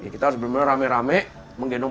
kita harus benar benar rame rame menggendong